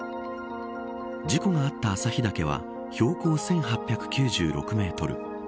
事故があった朝日岳は標高１８９６メートル